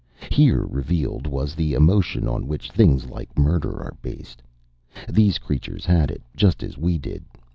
Here revealed was the emotion on which things like murder are based. These creatures had it, just as we did.